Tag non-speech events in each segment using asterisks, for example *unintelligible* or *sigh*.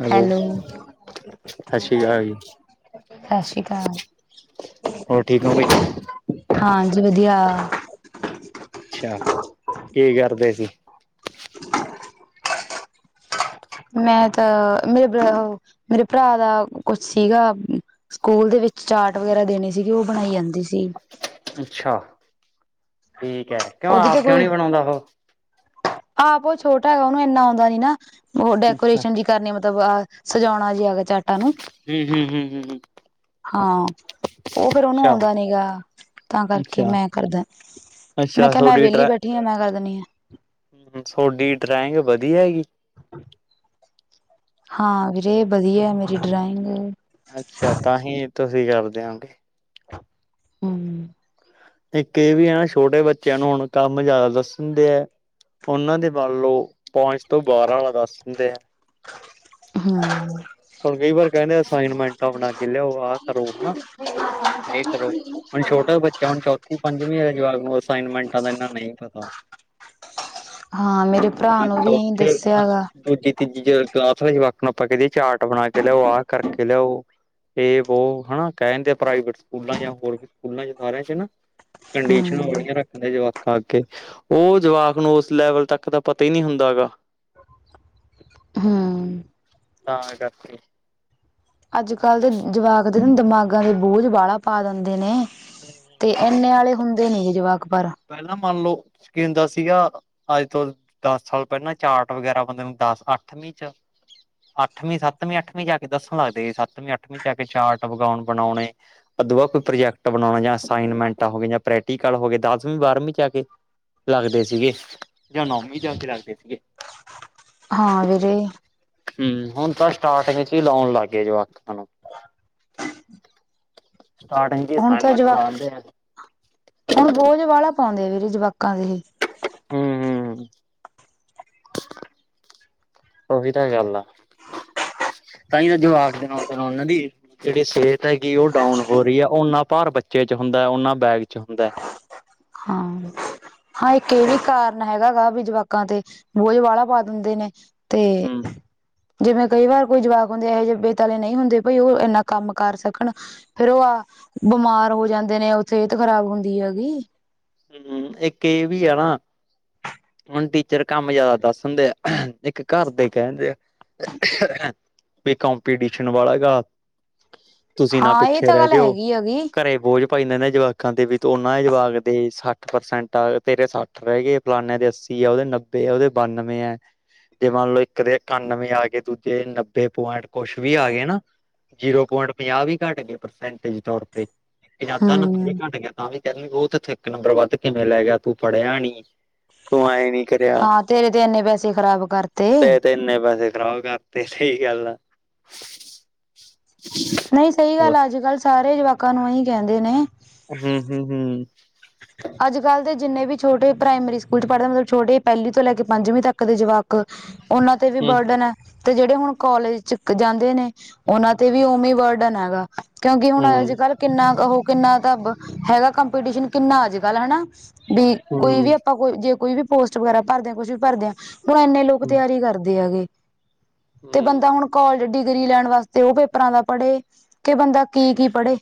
Hello, Shashi ਆਲ ਜੀ। ਸ਼ਸ਼ੀਕਾਲ। ਹੋਰ ਠੀਕ ਹੋ ਬਾਈ ਹਾਂਜੀ, ਵਦੀਆ। ਅੱਛਾ, ਕੀ ਕਰਦੇ ਸੀ? ਮੈਂ ਤਾਂ, ਮੇਰੇ ਮੇਰੇ ਪਰਾ ਦਾ ਕੁਛ ਸੀਗਾ ਸਕੂਲ ਦੇ ਵਿੱਚ ਚਾਰਟ ਵਗੈਰਾ ਦੇਨੇ ਸੀਗੇ, ਓ ਬਣਾਈ ਆਂਦੀ ਸੀ। ਅੱਛਾ, ਠੀਕ ਐ। ਓਦੀ ਤੇ ਕੋਈ, ਹਾ ਬੋ ਛੋਟਾ ਹੈਗਾ ਓਨੂੰ ਏਂਨਾ ਆਉਂਦਾ ਨੀ ਨਾ। ਓ ਅੱਛਾ ਡੈਕੋਰੇਸ਼ਨ ਜੀ ਕਰਨੀ, ਮਤਬ ਅਹ ਸਜਾਓਣਾ ਜੀ ਹੈਗਾ ਚਟ ਹੂੰ- ਹੂੰ, ਹੂੰ-ਹੂੰ। ਹਾਂ, ਓਹ ਫੇਰ ਓਨੂੰ ਅੱਛਾ ਆਉਂਦਾ ਨੀ ਗਾ, ਤਾਂ ਕਰਕੇ ਅੱਛਾ ਮੈ ਕਰ ਦੇਣ। ਮੈਂ ਅੱਛਾ ਕੇਆ ਮੈ ਤੁਹਾਡੀ ਵੇਲੀ ਬੈਠੀ ਆ ਮੈ ਕਰ ਦੇਨੀ ਆ। ਥੋਡੀ ਡਰਾਇੰਗ ਵਧੀਆ ਹੈ ਹੀ? ਹਾਂ ਵੀਰੇ, ਵਦੀਆ ਮੇਰੀ ਡਰਾਇੰਗ। ਅੱਛਾ, ਤਾਂਹੀ ਤੁਸੀ ਕਰਦੇ ਹੋ। ਹੂੰ। ਇਥੇ ਏਹ ਵੀ ਆ ਨਾ ਛੋਟੇ ਬੱਚਿਆਂ ਨੂੰ ਹੁਣ ਕੰਮ ਜਾਦਾ ਦੱਸਣਦੇ ਐ। ਓਨਾਂ ਦੇ ਵੱਲੋਂ ਪੋਇੰਟਸ ਤੋਂ ਬਾਰਾ ਵਾ ਦੱਸ ਦਿੰਦੇ ਐ। ਹੂੰ। ਹੁਣ ਕਈ ਵਾਰ ਕੈਂਦੇ ਅਸਾਈਨਮੈਂਟਾਂ ਬਨਾ ਕੇ ਲਿਆਓ, ਆਹ ਕਰੋ, ਹਨਾ। *inaudible* ਇਹ ਕਰੋ, ਹੁਣ ਛੋਟਾ ਬੱਚ ਚਾ ਹੁਨ, ਚੌਥੀ-ਪੰਜਵੀਂ ਆਲੇ ਜਵਾਕ ਨੂੰ ਅਸਾਈਨਮੈਂਟਾਂ ਦਾ ਏਨਾ ਨਈ ਪਤਾ। ਹਾਂ ਮੇਰੇ ਭਰਾ ਜਾ ਨੂੰ ਵੀ ਇਹੀ ਚੌਥੇ, ਦੱਸਿਆ ਗਾ ਦੂਜੀ, ਤੀਜੀ ਜ ਕਲਾਸ ਵੇ ਜਵਾਕਾ ਨੂੰ ਆਪਾਂ ਕੈ ਦਈਏ ਚਾਟ ਬਣਾ ਕੇ ਲਿਆਓ, ਆਹ ਕਰਕੇ ਲਿਆਓ। ਏ ਵੋ ਹਨਾ ਕੈਂਦੇ ਆ ਪ੍ਰਾਈਵੇਟ ਸਕੂਲਾਂ ਜਾ ਹੋਰ ਵੀ ਸਕੂਲਾ ਚ ਸਾਰੇ ਆਂ ਚ ਨਾ ਕੰਡੀਸ਼ਨਾ ਹੂੰ ਬੜੀਆ ਰੱਖ ਦੇ ਆ ਜਵਾਕਾਂ ਅੱਗੇ, ਓ ਜਵਾਕ ਨੂੰ ਓਸ ਲੈਵਲ ਤੱਕ ਤਾ ਪਤਾ ਹੀ ਨਹੀ ਹੁੰਦਾ ਹੈਗਾ। ਹਾਂ। ਤਾਂ ਕਰਕੇ। ਅੱਜ-ਕੱਲ ਦੇ ਜਵਾਕ ਦੇ ਦਿਮਾਗਾਂ ਨੂ ਬੋਝ ਬਾੜਾ ਪਾ ਦਿੰਦੇ ਨੇ। ਤੇ ਏਂਨੇ ਆਲੇ ਹੁੰਦੇ ਨੀ ਗੇ ਜਵਾਕ ਪਰ। ਪੈਲਾਂ ਮੰਨ ਲਓ ਸਕਿਨ ਦਾ ਸੀਗਾ, ਅੱਜ ਤੋ ਦਸ ਸਾਲ ਪੈਲਾਂ ਚਾਰਟ ਵਗੈਰਾ ਬੰਦੇ ਨੂੰ ਦਸ, ਅੱਠ ਵੀ ਚ ਅੱਠਵੀ, ਸੱਤਵੀ-ਅੱਠਵੀਂ ਜਾ ਕੇ ਦੱਸਣ ਲੱਗਦੇ ਈ, ਸੱਤਵੀ-ਅੱਠਵੀ ਚ ਆ ਕੇ ਚਾਰਟ ਵਗਾਓਣ ਬਣਾਓਨੇ। ਅਦੂ ਕੋਈ ਪ੍ਰੋਜੈਕਟ ਬਣਾਓਣਾ ਜਾ ਅਸਾਈਨਮੈਂਟ ਹੋਗੀਆ, ਯਾ ਪ੍ਰੈਟਿਕਲ ਹੋਗੇ, ਦੱਸਵੀ-ਬਾਰਵੀਂ ਚ ਆ ਕੇ ਲੱਗਦੇ ਸੀਗੇ, ਯਾ ਨੌਵੀਂ ਚ ਜਾ ਕੇ ਲੱਗਦੇ ਸੀਗੇ। ਹਾਂ ਵੀਰੇ। ਹੁੰ, ਹੁਣ ਤਾਂ ਸਟਾਰਟਿੰਗ ਚ ਹੀ ਲਾਓਣ ਲੱਗ ਗਏ ਜਵਾਕਾ ਨੂੰ। ਸਟਾਰਟਿੰਗ ਚ ਹੀ ਹੁਣ ਤਾਂ ਅਸਾਈਨਮੈਟ ਜਵਾਕ ਲਾਂਦੇ ਐ। ਵਾੜਾ ਪਾਓਂਦੇ ਵੀਰੇ ਜਵਾਕਾਂ ਦੇ ਏਹ। ਹੂੰ। ਓਹੀ ਤਾ ਗੱਲ ਆ। ਤਾ ਹੀ ਓ ਜਵਾਕ ਦੇ ਨਾ ਓਨਾਂ ਦੀ ਐ। ਜੇੜੀ ਸੇਹਤ ਹੈਗੀ ਓਹ ਡਾਊਨ ਹੋ ਰਹੀ ਐ, ਓਨਾ ਭਾਰ ਬੱਚੇ ਚ ਹੁੰਦਾ ਓਨਾ ਬੈਗ ਚ ਹੁੰਦਾ। ਹਾਂ, ਹਾਂ ਇੱਕ ਏ ਵੀ ਕਾਰ ਨ ਹੈਗਾ ਵਾ ਜਵਾਕਾਂ ਤੇ ਬੋਝ ਵਾੜਾ ਪਾ ਦਿੰਦੇ ਨੇ। ਤੇ ਹੂੰ ਜਿਵੇ ਕਈ ਵਾਰ ਕੋਈ ਜਵਾਕ ਹੁੰਦੇ ਇਹੋ ਜਿਹੇੇ ਬੇਤਲੇ ਨਹੀ ਹੁੰਦੇ, ਭਈ ਓਹ ਏਨਾ ਕੰਮ ਕਰ ਸਕਣ। ਫੇਰ ਉਹ ਆ ਬਿਮਾਰ ਹੋ ਜਾਂਦੇ ਨੇ ਉਹ ਫੇਰ ਸਿਹਤ ਖ਼ਰਾਬ ਹੁੰਦੀ ਹੈਗੀ। ਹੁ ਹੁੰ ਏਕ ਏ ਵੀ ਆ ਨਾ। ਹੁਣ ਟੀਚਰ ਕੰਮ ਜਿਆਦਾ ਦੱਸ ਉਂਦੇ ਐ ਇੱਕ ਘਰ ਦੇ ਈ ਕੈ ਦੇ ਆ। ਵੀ ਕੰਪੀਟੀਸ਼ਨ ਵਾਲਾ ਗਾ ਤੁਸੀਂ ਨਾ ਹਾਂ ਇਹ ਪਿੱਛੇ ਤਾਂ ਰੈ ਗੱਲ ਜਿਓ ਹੈਗੀ ਹੈਗੀ ਘਰੇ ਬੋਝ ਭਾਈ ਏਨਾ ਦੇ ਜਵਾਕਾਂ ਦੇ ਵੀ ਤੇ ਓਨਾਂ ਦੇ ਜਵਾਕ ਦੇ ਸੱਠ ਪਰਸੈਂਟ ਆ ਗੇ ਤੇਰੇ ਸੱਠ ਰੈ ਗੇ ਫਲਾਨੇ ਦੇ ਅੱਸੀ ਐ ਓਦੇ ਨੱਬੇ ਐ ਓਦੇ ਬਾਨਵੇਂ ਐ। ਜੇ ਮੰਨ ਲੋ ਇੱਕ ਦੇ ਇਕਾਨਵੇਂ ਆ ਗੇ ਦੂਜੇ ਨੱਬੇ ਪੁਆਇੰਟ ਕੁਛ ਵੀ ਆ ਗੇ ਨਾ ਜੀਰੋ ਪੁਆਇੰਟ ਪੰਜਾਹ ਵੀ ਘੱਟ ਗੇ ਪਰਸੈਂਟਜ ਤੌਰ ਤੇ ਯਾਦਾਂ ਨੰਬਰ *unintelligible* ਵੀ ਹਮ ਘੱਟ ਗਿਆ ਤਾਂ ਵੀ ਕਹਿੰਦੇ ਓ ਤੈਥੋਂ ਏਕ ਨੰਬਰ ਵੱਧ ਕਿਵੇਂ ਲੈ ਗਿਆ ਤੂੰ ਪੜਿਆ ਨੀ ਤੂੰ ਐਂ ਨੀ ਕਰਿਆ ਹਾਂ ਤੇਰੇ ਤੇ ਇੰਨੇ ਪੈਸੇ ਖ਼ਰਾਬ ਕਰਤੇ ਤੇ ਤ ਏਨੇ ਪੈਸੇ ਖਰਾਬ ਕਰ ਤੇ ਸਈ ਗੱਲ ਆ ਨਈ ਸਈ ਗੱਲ ਐ ਅੱਜ ਕੱਲ੍ਹ ਸਾਰੇ ਜਵਾਕਾਂ ਨੂੰ ਐਂਈ ਕਹਿੰਦੇ ਨੇ ਹੁੰ, ਹੁੰ, ਹੁੰ। ਅੱਜ ਕੱਲ੍ਹ ਦੇ ਜਿੰਨੇ ਵੀ ਛੋਟੇ ਪ੍ਰਾਇਮਰੀ ਸਕੂਲ ਚ ਪੜ੍ਹਦੇ ਮਲਬ ਛੋਟੇ ਪੈਲੀ ਤੋਂ ਲੈ ਕੇ ਪੰਜਵੀਂ ਤੱਕ ਦੇ ਜਵਾਕ ਓਨਾਂ ਤੇ ਵੀ ਬਰਡਨ ਐ। ਤੇ ਜੇੜੇ ਹੁਣ ਕੋਲਜ ਚ ਜਾਂਦੇ ਨੇ ਓਨਾਂ ਤੇ ਵੀ ਉਮੇ ਈ ਵਰਡਨ ਹੈਗਾ ਕਿਉਂਕਿ ਹੁਣ ਅੱਜ ਹੂੰ-ਹੂੰ, ਕੱਲ ਕਿੰਨਾ ਕੁ ਹ ਕਿੰਨਾ ਕਬ ਹੈਗਾ ਕੰਪੀਟੀਸ਼ਨ ਕਿੰਨਾ ਅੱਜ ਕੱਲ ਹਣਾ ਬੀ ਕੋਈ ਵੀ ਹੂੰ, ਆਪਾਂ ਜੇ ਕੋਈ ਵੀ ਪੋਸਟ ਵਗੈਰਾ ਭਰਦੇ ਆਂ ਕੁੱਛ ਵੀ ਭਰਦੇ ਆਂ ਹੁਣ ਏਨੇ ਲੋਕ ਹੂੰ। ਤਿਆਰੀ ਕਰਦੇ ਹੈਗੇ ਤੇ ਬੰਦਾ ਹੁਣ ਕੋਲਜ ਡਿਗਰੀ ਲੈਣ ਵਾਸਤੇ ਓ ਪੇਪਰਾਂ ਦਾ ਪੜ੍ਹੇ ਕਿ ਬੰਦਾ ਕੀ ਕੀ ਪੜ੍ਹੇ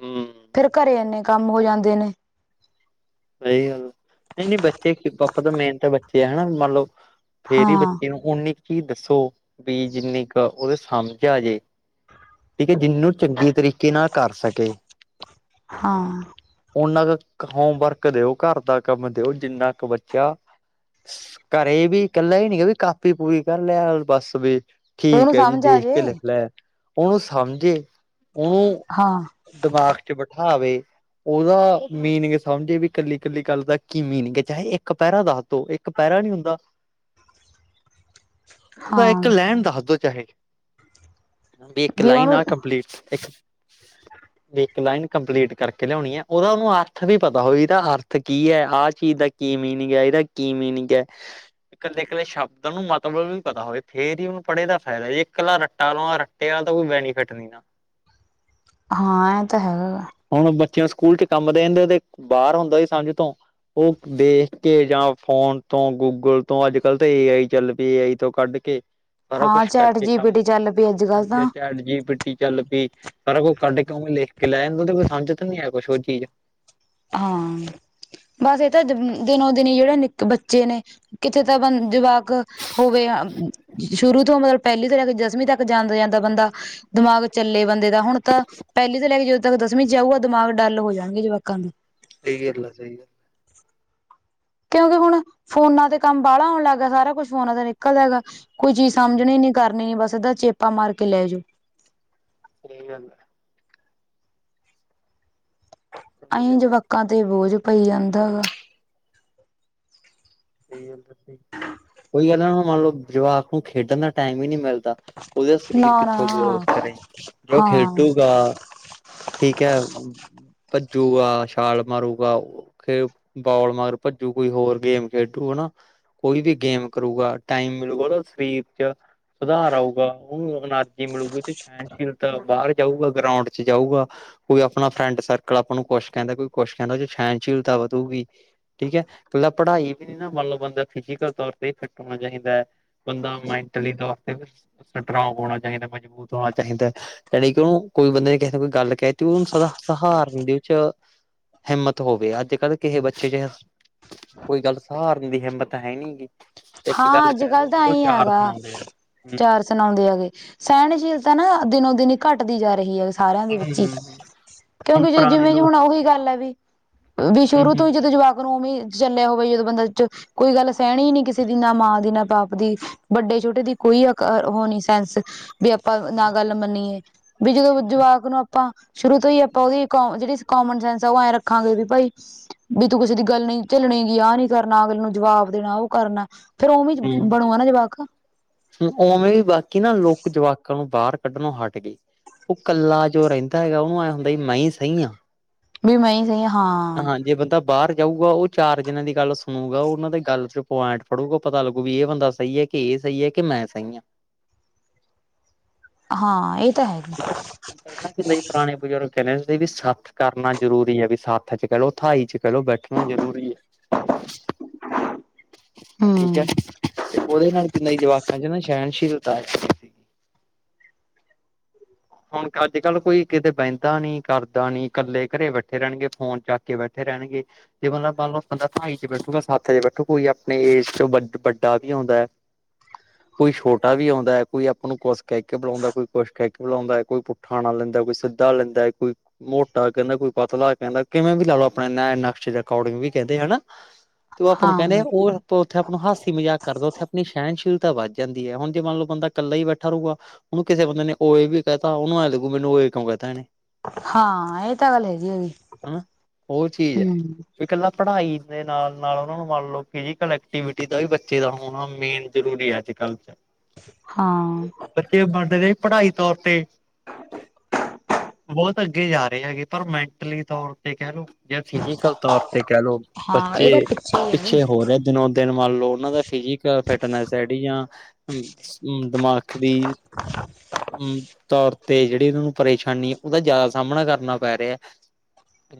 ਹੂੰ, ਫੇਰ ਘਰੇ ਏਨੇ ਕੰਮ ਹੋ ਜਾਂਦੇ ਨੇ। ਸਈ ਗੱਲ ਨਈ ਨਈ ਬੱਚੇ ਪਾਪਾ ਤਾ ਮੇਨ ਤਾਂ ਬੱਚੇ ਆ ਹਨਾ ਮੰਨ ਲੋ ਫੇਰ ਈ ਹਾਂ ਬੱਚੇ ਨੂੰ ਉਨੀ ਕੀ ਦੱਸੋ ਬੀ ਜਿੰਨੀ ਕੁ ਓਦੇ ਸਮਝ ਆ ਜੇ ਠੀਕ ਐ ਜਿਨੂੰ ਚੰਗੇ ਤਰੀਕੇ ਨਾਲ ਕਰ ਸਕੇ ਹਾਂ ਓਨਾ ਕ ਹੋਮਵਰਕ ਦਿਓ ਘਰ ਦਾ ਕੰਮ ਦਿਓ ਜਿੰਨਾ ਕੁ ਬੱਚਾ ਘਰੇ ਵੀ ਕੱਲਾ ਈ ਨੀ ਵੀ ਕਾਪੀ ਪੂਰੀ ਕਰ ਲਿਆ ਬਸ ਵੇ ਵੀ ਠੀਕ ਉਹਨੂੰ ਐ ਜੀ ਸਮਝ ਆ ਦੇਖ ਜੇ ਕੇ ਲਿਖ ਲੈ ਉਨੂੰ ਸਮਝੇ ਉਨੂੰ ਹਾਂ ਦਿਮਾਗ ਚ ਬਠਾਵੇ। ਓਦਾ ਮੀਨਿੰਗ ਸਮਝੇ ਵੀ ਕੱਲੀ ਕੱਲੀ ਗੱਲ ਦਾ ਕੀ ਮੀਨਿੰਗ ਏ ਚਾਹੇ ਏਕ ਪੈਰਾ ਦਸ ਦੋ ਏਕ ਪੈਰਾ ਨੀ ਹੁੰਦਾ। ਤਾਂ ਹਾਂ ਏਕ ਲੈਣ ਦਹ ਦੋ ਚਾਹੇ। ਬੀ ਇੱਕ ਵੀ ਲਾਈਨ ਆ ਉਹਨੂੰ ਕੰਪਲੀਟ ਵੀ ਇੱਕ ਲਾਈਨ ਕੰਪਲੀਟ ਕਰਕੇ ਲਿਆਉਣੀ ਹੈ ਔਰ ਉਨੂੰ ਅਰਥ ਨੀ ਪਤਾ ਵੀ ਇਦਾ ਅਰਥ ਕੀ ਐ ਆ ਚੀਜ਼ ਦਾ ਕੀ ਮੀਨਿੰਗ ਐ ਇਹਦਾ ਕੀ ਮੀਨਿੰਗ ਐ ਕੱਲੇ ਕੱਲੇ ਸ਼ਬਦਾਂ ਨੂੰ ਮਤਬਲ ਵੀ ਪਤਾ ਹੋਵੇ ਫੇਰ ਹੀ ਉਨੂੰ ਪੜ੍ਹੇ ਦਾ ਫਾਇਦਾ ਜੇ ਕਲਾ ਰੱਟਾ ਮਾਰ ਨਾਲ ਤਾਂ ਕੋਈ ਬੈਨੀਫਿਟ ਨੀ ਨਾ ਹਾਂ ਐ ਤਾਂ ਹੈਗਾ ਗਾ ਹੁਣ ਬੱਚਿਆਂ ਸਕੂਲ ਚ ਕੰਮ ਦੇਣ ਤੇ ਓਦੇ ਬਾਰ ਹੁੰਦਾ ਸੀ ਸਮਝ ਤੋਂ ਓਹ ਦੇਖ ਕੇ ਜਾਂ ਫੋਨ ਤੋਂ ਗੂਗਲ ਤੋਂ ਅੱਜ ਕੱਲ ਤਾਂ ਏ ਆਈ ਚੱਲ ਪਈ ਏ ਆਈ ਤੋ ਕੱਢ ਕੇ ਸਾਰਾ ਹਾਂ ਕੁਛ ਚੈਟ ਕਰਕੇ ਜੀ ਪੀ ਕੰਮ ਟੀ ਚੱਲ ਪੀ ਅੱਜ ਕੱਲ ਹਾਂਜੀ ਤਾਂ ਚੈਟ ਜੀ ਪੀ ਟ ਚੱਲ ਪੀ ਪਰ ਓ ਕੱਢ ਕੇ ਵੇਂ ਲਿਖ ਕੇ ਲੈ ਜਾਂਦਾ ਤੇ ਓਂਦੇ ਕੋਈ ਸਮਝ ਤਾਂ ਨੀ ਹੈ ਕੁਛ ਹੋਰ ਚੀਜ਼ ਹਾਂ ਬਸ ਏ ਤਾਂ ਦਿਨੋ ਦਿਨ ਈ ਜੇੜੇ ਨਿੱਕ ਬੱਚੇ ਨੇ ਕਿਥੇ ਤਾਂ ਬ ਜਵਾਕ ਅ ਹੋਵੇ ਸ਼ੁਰੂ ਤੋਂ ਮਤਲਬ ਪੈਲੀ ਤੋਂ ਲੈ ਕੇ ਦਸਵੀਂ ਤੱਕ ਜਾਂਦਾ-ਜਾਂਦਾ ਬੰਦਾ ਦਿਮਾਗ ਚੱਲੇ ਬੰਦੇ ਦਾ ਹੁਣ ਤਾਂ ਪੈਲੀ ਤੋਂ ਲੈ ਕੇ ਜਦੋਂ ਤੱਕ ਦਸਵੀ 'ਚ ਆਊਗਾ ਦਿਮਾਗ ਡੱਲ ਹੋ ਜਾਣਗੇ ਜਵਾਕਾਂ ਦੇ ਸਈ ਗੱਲ ਆ ਸਈ ਕਿਉਂਕਿ ਹੁਣ ਫੋਨਾਂ ਤੇ ਕੰਮ ਬਾਲਾ ਆਣ ਲੱਗ ਗਿਆ ਸਾਰਾ ਕੁਛ ਫੋਨਾਂ ਤੇ ਨਿਕਲ ਜਏਗਾ ਕੋਈ ਚੀਜ਼ ਸਮਝਣੀ ਨੀ ਕਰਨੀ ਬਸ ਏਦਾਂ ਚੇਪਾ ਮਾਰ ਕੇ ਲੈ ਜਾਓ। ਸਈ ਗੱਲ ਐ। ਸਹੀ ਅਹੀ ਗੱਲ ਹੈ ਜਵਾਕਾਂ ਤੇ ਬੋਝ ਪਈ ਜਾਂਦਾ ਹੈਗਾ। ਸਈ ਗੱਲ ਉਹੀ ਏ ਨਾ ਮੰਨ ਲਓ ਜਵਾਕ ਨੂੰ ਖੇਡਣ ਦਾ ਟਾਈਮ ਹੀ ਨਈ ਮਿਲਦਾ। ਉਹਦਾ ਸਰੀਰ ਨਾ ਕਿੱਥੋਂ ਗਰੋਥ ਨਾ ਕਰੇ ਜ ਓ ਹਾਂ ਖੇਡੂਗਾ ਠੀਕ ਹੈ। ਭੱਜੂਗਾ, ਛਾਲ ਮਾਰੂਗਾ, ਖੇ ਬੋਲ ਮਾਰੂ, ਭੱਜੂ ਕੋਈ ਹੋਰ ਗੇਮ ਖੇ ਟੂ ਹਨਾ। ਕੋਈ ਵੀ ਗੇਮ ਕਰੂਗਾ ਟਾਈਮ ਮਿਲੂਗਾ ਉਹਦਾ ਸਰੀਰ 'ਚ ਸੁਧਾਰ ਆਊਗਾ ਓ ਅ ਜਿ ਮਲੂ 'ਚ ਸਹਿਣਸ਼ੀਲਤਾ ਬਾਰ ਜਾਊਗਾ ਗਰਾਉਂਡ 'ਚ ਜਾਊਗਾ। ਕੋਈ ਆਪਣਾ ਫਰੈਂਡ ਸਰਕਲ ਆਪਾਂ ਨੂੰ ਕੁਛ ਕੈਂਦਾ ਕੋਈ ਕੁਛ ਕੈਂਦਾ ਜਿ ਸਹਿਣ ਸੀਲਤਾਂ ਵਧੂਗੀ। ਠੀਕ ਹੈ ਕੱਲਾ ਪੜ੍ਹਾਈ ਏ ਮੰਨ ਲਓ ਬੰਦਾ ਫਿਜੀਕਲ ਤੌਰ ਤੇ ਫਿੱਟ ਹੋਣਾ ਚਾਹੀਦਾ ਹੈ ਬੰਦਾ ਮੈਂਟਲੀ ਤੌਰ ਤੇ ਸਟਰੋਂਗ ਹੋਣਾ ਚਾਹੀਦਾ ਮਜ਼ਬੂਤ ਹੋਣਾ ਚਾਹੀਦਾ। ਜਾਣੀ ਕਿ ਉਹਨੂੰ ਕੋਈ ਬੰਦੇ ਨੇ ਕਿਸੇ ਕੋਈ ਗੱਲ ਕਹਿ ਤੇ ਉਹਨੂੰ ਸ ਸਹਾਰਨ ਦੇ 'ਚ ਹਿੰਮਤ ਹੋਵੇ ਅੱਜ ਕੱਲ੍ਹ ਕਿਸੇ ਬੱਚੇ ਜਿ ਕੋਈ ਗੱਲ ਸਹਾਰਨ ਦੀ ਹਿੰਮਤ ਹੈਨੀਗੀ ਇੱਕ ਹਾਂ ਗੱਲ ਅੱਜ ਕਹਿ ਦੋ ਕੱਲ ਤਾਂ ਉ ਐਈ ਚਾਰ ਹੈਗਾ ਸੁਣਾਉਂਦੇ ਆ ਹੂੰ। ਚਾਰ ਸੁਣਾਉਂਦੇ ਹੈਗੇ ਸਹਿਣਸ਼ੀਲਤਾ ਨਾ ਦਿਨੋ ਦਿਨ ਹੀ ਘੱਟਦੀ ਜਾ ਰਹੀ ਹੈ ਸਾਰਿਆਂ ਦੇ ਹਮ ਵਿੱਚ ਹੀ ਹਮ ਹੁਣ ਕਿਉਂਕਿ ਜ ਪੁਰਾਣੇ ਜਿਵੇਂ ਲੋਕ ਹੁਣ ਉਹੀ ਗੱਲ ਹੈ ਵੀ-ਵੀ ਸ਼ੁਰੂ ਹਮ ਤੋਂ ਹੀ ਹਮ ਜਦੋਂ ਜਵਾਕ ਫਿਰ ਉਵੇਂ ਚੱਲਿਓ ਬਈ ਜਦੋਂ ਇਸ ਬੰਦਾ 'ਚ ਕੋਈ ਗੱਲ ਸਹਿਣੀ ਹੀ ਨਈ ਕਿਸੇ ਕਿਸੇ ਦੀ ਨਾ ਮਾਂ ਦੀ ਨਾ ਬਾਪ ਦੀ ਵੱਡੇ-ਛੋਟੇ ਦੀ ਕੋਈ ਅ ਹੋਨੀ ਸੈਂਸ ਵੀ ਆਪਾਂ ਨਾ ਗੱਲ ਮੰਨੀਏ ਵੀ ਜਦੋਂ ਜਵਾਕ ਨੂੰ ਆਪਾਂ ਸ਼ੁਰੂ ਤੋਂ ਹੀ ਆਪਾਂ ਉਹਦੀ ਕ ਜੇੜੀ ਕਾਮਨ ਸੈਂਸ ਓ ਐ ਰੱਖਾਂਗੇ ਵੀ ਭਈ ਵੀ ਤੂੰ ਕਿਸੇ ਦੀ ਗੱਲ ਨਈ ਝੱਲਣੀ ਆਹ ਨੀ ਕਰਨਾ ਅਗਲੇ ਨੂੰ ਜਵਾਬ ਦੇਣਾ ਓ ਕਰਨਾ। ਫਿਰ ਉਵੇਂ ਬਨਵਾਣਾ ਜਵਾਕ ਫਿਰ ਉਵੇਂ ਬਾਕੀ ਨਾ ਲੋਕ ਜਵਾਕਾਂ ਨੂੰ ਬਾਰ ਕੱਢਣੋਂ ਹਟ ਗਈ ਓ ਕੱਲਾ ਜੋ ਰੈਂਦਾ ਹੈਗਾ ਉਹਨੂੰ ਐ ਹੁੰਦਾ ਸੀ ਮੈਂ ਹੀ ਸਈ ਆਂ। ਬਈ ਮੈਂ ਈ ਸਈ ਆਂ। ਹਾਂਜੀੇ ਪਤਾ ਬਾਰ ਜਾਊਗਾ ਓ ਚਾਰ ਜਨਾਂ ਦੀ ਗੱਲ ਸੁਣੂਗਾ ਉਹਨਾਂ ਦੇ ਗੱਲ 'ਚ ਪੁਆਇੰਟ ਫੜੂਗਾ ਪਤਾ ਲੱਗੂ ਵੀ ਇਹ ਬੰਦਾ ਸਈ ਏ। ਕਿ ਏ ਸਈ ਹੈ ਕਿ ਮੈਂ ਸਈ ਆਂ। ਹਾਂ ਇਹ ਤੇ ਹੈ। ਪੈਲਾਂ ਤੇ ਮੇਰੇ ਪੁਰਾਣੇ ਬਜ਼ੁਰਗ ਕੈਂਦੇ ਹੁੰਦੇ ਸੀ ਵੀ ਸੱਥ ਕਰਨਾ ਜਰੂਰੀ ਹੈ ਵੀ ਸੱਥ ਅੱਜ-ਕੱਲ ਓ ਥਾਈ 'ਚ ਕਹਿ ਲੋ ਬੈਠਣਾ ਜ਼ਰੂਰੀ ਏ। *inaudible* ਤੇ ਹੂੰ ਉਹਦੇ ਨਾਲ ਤਿਨਾ ਜਵਾਕਾਂ 'ਚ ਨਾ ਸਹਿਣਸ਼ੀਲਤਾ ਏ। ਹੁਣ ਅੱਜ- ਕੱਲ ਕੋਈ ਕਿਤੇ ਬੈਂਦਾ ਨਈ ਕਰਦਾ ਨਈ ਕੱਲੇ ਘਰੇ ਬੈਠੇ ਰੈਂਣਗੇ ਫੋਨ ਚੱਕ ਕੇ ਬੈਠੇ ਰੈਂਣਗੇ। ਜੇ ਮਤਲਬ ਮੰਨ ਲਉ ਬੰਦਾ ਥਾਈ 'ਚ ਬੈਠੋ ਜਾਂ ਸੱਥ 'ਚ ਬੈਠੋ ਕੋਈ ਆਪਣੇ ਏਜ ਚੋਂ ਵੱਡਾ ਵੀ ਆਉਂਦਾ। ਕੋਈ ਛੋਟਾ ਵੀ ਆਉਂਦਾ ਕੋਈ ਆਪਾਂ ਨੂੰ ਕੁਛ ਕਹਿ ਕੇ ਬੁਲਾਉਂਦਾ ਕੋਈ ਕੁਛ ਕਹਿ ਕੇ ਬਲਾਉਂਦਾ ਕੋਈ ਪੁੱਠਾ ਨਾਂ ਲੈਂਦਾ ਕੋਈ ਸਿੱਧਾ ਨਾਂ ਲੈਂਦਾ ਕੋਈ ਮੋਟਾ ਕਹਿੰਦਾ, ਕੋਈ ਪਤਲਾ ਕਹਿੰਦਾ, ਕਿਵੇਂ ਵੀ ਲਾ ਲਓ ਆਪਣੇ ਨਕਸ਼ ਰਕੋਡਿੰਗ ਵੀ, ਕਹਿੰਦੇ ਹਨਾ ਤੇ ਉਹ ਆਪਾਂ ਨੂੰ, ਕਹਿਣੇ ਹਾਂ ਆ ਓਹ ਉੱਥੇ ਆਪ ਨੂੰ, ਹਾਸੀ ਮਜ਼ਾਕ ਕਰ ਲਉੱ, ਆਪਣੀ ਸਹਿਣਸੀਲਤਾ ਵੱਧ ਜਾਂਦੀ ਹੈ, ਹੁਣ ਜੇ ਮੰਨ ਲਓ ਬੰਦਾ ਇਕੱਲਾ ਹੀ, ਬੈਠਾ ਰੂਗਾ। ਉਹਨੂੰ ਕਿਸੇ ਬੰਦੇ ਨੇ ਉਏ ਵੀ ਕਹਿਤਾ ਉਹਨੂੰ ਐਂ ਲੱਗੂ, ਮੈਨੂੰ ਉਂਏ ਕਿਉਂ ਕਹਿਤਾ, ਇਹਨੇ। ਹਾਂ, ਇਹ ਤਾਂ ਹਾਲ ਏ ਹੈ ਜੀ, ਹੂੰ। ਇਕਲਾ ਪੜਾਈ, ਦੇ ਨਾਲ -ਨਾਲ ਉਹਨਾ ਨੂੰ ਮੰਨ ਲਓ, ਫਿਜ਼ੀਕਲ ਐਕਟੀਵਿਟੀ, ਦਾ ਵੀ ਬੱਚੇ ਦਾ ਹੋਣਾ, ਮੇਨ ਜ਼ਰੂਰੀ ਐ, ਅੱਜਕੱਲ। ਹਾਂ। ਬੱਚੇ, ਬਡ ਦੇ ਰਹੇ ਪੜਾਈ ਤੌਰ ਤੇ ਹਾ। ਬਹੁਤ ਅੱਗੇ ਜਾ ਰਹੇ ਹੈਗੇ ਪਰ ਮੈਂਟਲੀ ਤੌਰ ਤੇ ਕਹਿ ਲਓ। ਜਾਂ ਫਿਜੀਕਲ ਤੌਰ ਤੇ ਕਹਿ ਲਓ ਹਾਂ ਬੱਚੇ ਇਹਦਾ ਹੀ ਹੈ ਪਿੱਛੇ ਹੋ ਰਹੇ। ਦਿਨੋ- ਦਿਨ ਮੰਨ ਲਓ ਉਹਨਾਂ ਦਾ ਫਿਜ਼ਕਲ ਫਿਟਨੈਸ ਹੈ ਜਾਂ ਦਿਮਾਗ ਦੀ। ਮ ਤੌਰ ਤੇ ਜਿਹੜੀ ਉਹਨਾਂ ਨੂੰ ਪਰੇਸ਼ਾਨੀ, ਉਹਦਾ ਜ਼ਿਆਦਾ ਸਾਹਮਣਾ ਕਰਨਾ ਪੈ ਰਿਹਾ ਹੈ।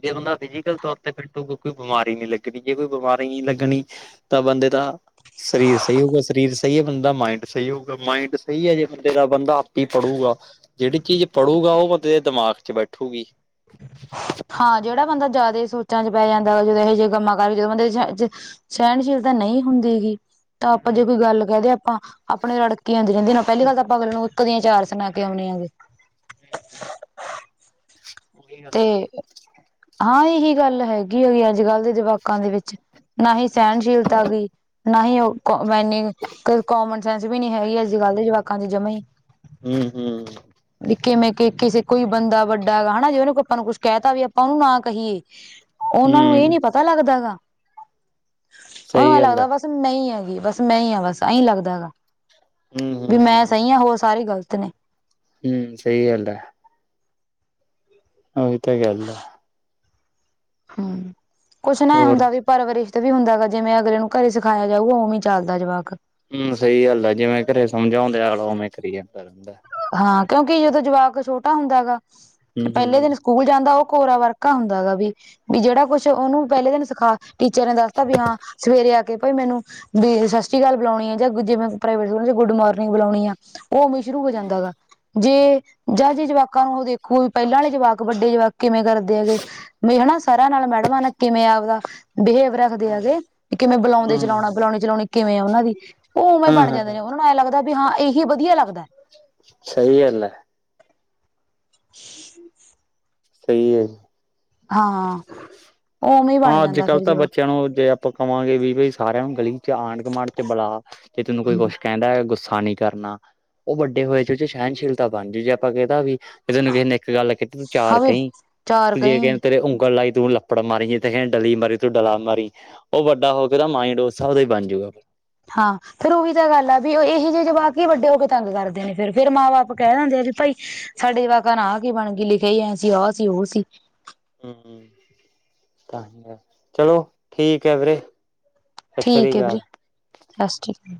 ਜੇ ਬੰਦਾ ਫਿਜੀਕਲ ਤੌਰ ਤੇ ਫਿੱਟ ਹੋਊ ਕੋਈ ਬਿਮਾਰੀ ਨੀ ਲੱਗਣੀ ਜੇ ਕੋਈ ਬਿਮਾਰੀ ਨਹੀਂ ਲੱਗਣੀ। ਤਾਂ ਬੰਦੇ ਦਾ। ਸਰੀਰ ਸਹੀ ਹੋਊਗਾ, ਸਰੀਰ ਸਹੀ ਹੈ, ਬੰਦਾ ਮਾਇੰਡ ਸਹੀ ਹੋਊਗਾ, ਮਾਇੰਡ ਸਹੀ ਹੈ ਜੇ ਬੰਦੇ ਦਾ ਬੰਦਾ। ਵੀ ਪੜੂਗਾ ਜਿਹੜੀ ਚੀਜ਼ ਪੜੂਗਾ ਉਹ ਬੰਦੇ ਦੇ ਦਿਮਾਗ ਚ ਬੈਠੂਗੀ। ਹਾਂ ਜਿਹੜਾ ਬੰਦਾ ਜ਼ਿਆਦਾ ਸੋਚਾਂ ਚ ਪੈ ਜਾਂਦਾ ਵਾ ਜਦੋਂ ਇਹੋ ਜਿਹੇ ਕੰਮਾਂ ਕਰ ਜਦੋਂ ਬੰਦੇ ਸਹਿਣਸ਼ੀਲਤਾਂ ਨਹੀਂ ਹੁੰਦੀ ਹੈਗੀ। ਤਾਂ ਆਪਾਂ ਜੇ ਹਮ ਕੋਈ ਗੱਲ ਕਹਿ ਦੇ ਆਪਾਂ ਆਪਣੇ ਰੜਕੇ ਆਉਂਦੇ ਰਹਿੰਦੇ ਨੇ ਪਹਿਲੀ ਗੱਲ ਤਾਂ ਆਪਾਂ ਅਗਲੇ ਨੂੰ। ਇਕ ਦੀਆਂ ਚਾਰ ਸੁਣਾ ਕੇ ਆਉਂਣੇ ਆਗੇ। ਉਹੀ ਗੱਲ ਤੇ ਆ ਨਾ। ਹਾਂ ਇਹੀ ਗੱਲ ਹੈਗੀ ਹੋਗੀ ਅੱਜ ਕੱਲ ਦੇ ਜਵਾਕਾਂ ਦੇ ਵਿੱਚ। ਨਾ ਹੀ ਸਹਿਣਸ਼ੀਲਤਾ ਗੀ, ਨਾ ਹੀ ਉਹ ਮੈਨੀ। ਕ ਕੋਾਮਨ ਸੈਂਸ ਵੀ ਨਹੀਂ ਹੈਗੀ ਅੱਜ ਕੱਲ ਦੇ ਜਵਾਕਾਂ ਚ ਜਮਾ ਹੀ। ਹੂੰ। ਹੂੰ। ਨ ਕਿ ਮਂਕੇ ਕਿਸੇ ਕੋਈ ਬੰਦਾ ਵੱਡਾ ਹੈਗਾ ਹੈ ਜੇ ਉਹਨੂੰ। ਆਪਾਂ ਨੂੰ ਕੁਛ ਕਹਿ ਤਾ ਵੀ ਆਪਾਂ ਉਹਨੂੰ ਨਾ ਕਹੀਏ, ਉਹਨਾਂ ਨੂੰ ਇਹ ਹੂੰ ਨੀ ਪਤਾ ਲੱਗਦਾ ਹੈਗਾ। ਉਹਨੂੰ ਸਹੀ ਐ ਗੱਲ ਹੈ ਲੱਗਦਾ ਬਸ ਮੈਂ ਹੈਗੀ ਬਸ ਮੈਂ ਹ ਬਸ, ਇਹੀਂ ਲੱਗਦਾ ਹੈਗਾ। ਹੂੰ ਵੀ ਹੂੰ ਮੈਂ ਹੂੰ। ਸਹੀ ਆ, ਹੋਰ ਸਾਰੇ ਗ਼ਲਤ ਨੇ। ਹੂੰ ਸਹੀੱ ਗੱਲ ਹੈ। ਉਹੀ ਤੇ ਗਲ ਐ। ਹੂੰ ਕੁਛ ਨਾ ਏ ਹੋਰ ਹੁੰਦਾ ਵੀ ਪਰਵਰੀਸ਼। ਵੀ ਹੁੰਦਾ ਗਾ ਜਿਵੇਂ ਅਗਲੇ ਨੂੰ ਘਰੇ ਸਿਖਾਇਆ ਜਾਊਗਾ ਉਵੇ ਵੀ ਚੱਲਦਾ ਜਵਾਕ। ਹੂੰ ਸਹੀ ਗੱਲ ਆ, ਜਿਵੇਂ ਘਰੇ ਸਮਝ ਆਉਂਦੇ ਆਗਲਾ ਓਵੇਂ ਕਰੇ ਜਾਂਦਾ ਹੈ ਗਾ। ਹਾਂ ਕਿਉਂਕਿ ਜਦੋਂ ਜਵਾਕ ਛੋਟਾ ਹੁੰਦਾ ਹੈਗਾ ਹੂੰ ਤੇ ਪਹਿਲੇ ਹੂੰ। ਦਿਨ। ਸਕੂਲ ਜਾਂਦਾ ਉਹ ਕੋਰਾ ਵਰਕਾ ਹੁੰਦਾ ਗਾ ਵੀ, ਹੈਗਾ ਵੀ ਜਿਹੜਾ ਕੁਛ ਉਹਨੂੰ ਪਹਿਲੇ ਦਿਨ ਸਿਖਾ। ਟੀਚਰ ਨੇ ਦੱਸਤਾ ਵੀ ਹਾਂ, ਸਵੇਰੇ ਆ ਕੇ ਭਾਈ ਮੈਨੂੰ ਸਤਿ ਸ੍ਰੀ ਅਕਾਲ ਬੁਲਾਉਣੀ ਹੈ, ਜਾਂ ਜਿਵੇਾਈ ਸਕੂਲਾਂ ਚ ਗੁੱਡ ਮੋਾਰਨਿੰਗ ਬੁਲਾਉਣੀ ਆ ਉਹ ਵਿਚ- ਜੇ ਜਾਂ ਜੇ ਜਵਾਕਾਂ ਨੂੰ ਉਹ ਦੇਖ। ਕੋਈ ਪਹਿਲਾਂ ਵਾਲੇ ਜਵਾਕ ਵੱਡੇ ਜਵਾਕ ਕਿਵੇਂ ਕਰਦੇ ਹੈਗੇ। ਹਨਾ ਸਰਾਰਿਆਂ ਨਾਲ ਮੈਡਮ ਆ ਕਿਵੇਂ ਆਪਦਾ ਬਿਹੇਵ ਰਾ। ਦੇ ਆਗੇ ਵੀ, ਕਿਵੇਂ ਬੁਲਾਉਂਦੇ ਚਲਾਉਣਾ ਹੂੰ ਬੁਲਾਉਣੀ ਚਲਾਉਣੀ ਕਿਵੇਂ ਆ ਉਹਨਾਂ ਦੀ, ਉਹ ਉਵੇਂ ਹਾਂ ਬਣ ਜਾਂਦੇ ਹਾਂ ਨੇ। ਉਹ ਨੂੰ ਐਂ ਲੱਗਦਾ ਵੀ ਹਾਂ ਇਹੀ ਵਧੀਆ ਲੱਗਦਾ ਹੈ। ਸਹੀ ਅਲ। ਸਹੀ ਹੈ। ਹਾਂ ਉਹ। ਹਾਂ ਅੱਜ ਕੱਲ੍ਹ ਤਾਂ ਬੱਚਿਆਂ ਨੂੰ ਜੇ। ਆਪਾਂ ਕਵਾਂਗੇ ਵੀ ਬਈ ਸਾਰਿਆਂ ਨੂੰ ਗਲੀ ਚ ਆਂਢ ਗਮਾਂਢ ਚ ਬੁਲਾ ਤੇ ਤੈਨੂੰ ਕੋਈ ਹੂੰ ਕੁਛ। ਕੈਂਦਾ ਗੁੱਸਾ ਨੀ ਕਰਨਾ ਉਹ ਵੱਡੇ ਹੋਏ ਚ ਉਹ ਸੈਣਸ਼ੀਲਤਾ ਬਣ ਜੂ ਜੇ ਆਪਾਂ ਕੈ ਤਾ ਵੀ। ਤੇ ਤੈਨੂੰ ਕਿਸੇ ਨੇ ਇੱਕ ਗੱਲ ਕੀਤੀ ਤੂੰ ਚਾਰ ਹਵੇ ਕਹੀ ਚਾਰ ਤੂੰ ਜੇ ਕੇ ਕਈ ਨੇ ਤੇਰੇ ਉਂਗਲ ਲਾਈ ਤੂੰ ਲੱਪੜ ਮਾਰੀ। ਡਲੀ ਮਾਰੀ ਤੂੰ ਡਲਾ ਮਾਰੀ ਉਹ ਵੱਡਾ ਹੋ ਕੇ ਤਾਂ ਮਾਇੰਡ ਉਸ ਹਿਸਾਬ ਦਾ ਹੀ ਬਣ ਜੂਗਾ। ਹਾਂ। ਫੇਰ ਉਹ ਵੀ ਤਾਂ ਗੱਲ ਆ ਵੀ ਉਹ ਇਹੋ ਜੇਹੇ ਜਵਾਕ ਹੀ ਵੱਡੇ ਹੋ ਕੇ ਤੰਗ ਕਰਦੇ ਨੇ ਫਿਰ ਫਿਰ ਮਾਂ ਬਾਪ ਕੈ ਦਿੰਦੇ ਆ ਵੀ ਭਾਈ। ਸਾਡੇ ਵਕ ਨਾ ਆ ਕੀ ਬਣ ਗਈ ਲਿਖਿਆ ਹੀ ਐਂ ਸੀ ਆਹ ਸੀ ਉਹ ਸੀ। ਹਮ ਤਾਂ ਚਲੋ ਠੀਕ ਹੈ ਵੀਰੇ। ਸਤਿ ਸ਼੍ਰੀ ਠੀਕ ਹੈ ਅਕਾਲ। ਵੀਰੇ ਬਸ ਠੀਕ।